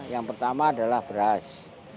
yang pertama adalah beras